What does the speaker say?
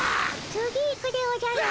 次行くでおじゃる。